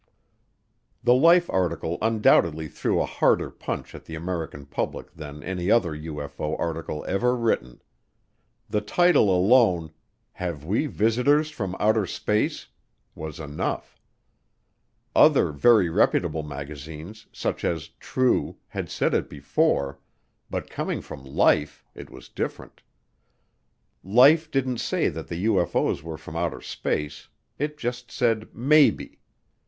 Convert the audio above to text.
The Life article undoubtedly threw a harder punch at the American public than any other UFO article ever written. The title alone, "Have We Visitors from Outer Space?" was enough. Other very reputable magazines, such as True, had said it before, but coming from Life, it was different. Life didn't say that the UFO's were from outer space; it just said maybe.